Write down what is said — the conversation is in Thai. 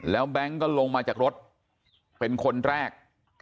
แล้วแบงค์ก็ลงมาจากรถเป็นคนแรก